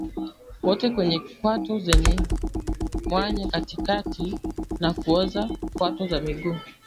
wote wenye kwato zenye mwanya katikati na kuoza kwato za miguu